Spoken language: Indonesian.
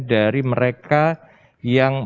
dari mereka yang